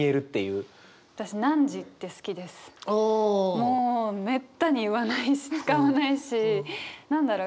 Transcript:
もうめったに言わないし使わないし何だろう